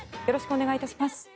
よろしくお願いします。